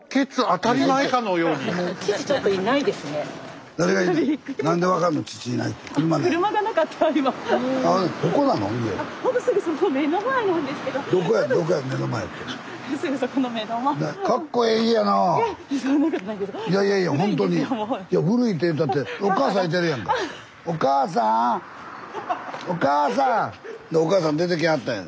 スタジオお母さん出てきはったんや。